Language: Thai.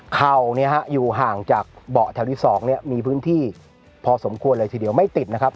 เข่าอยู่ห่างจากเบาะแถวที่๒มีพื้นที่พอสมควรเลยทีเดียวไม่ติดนะครับ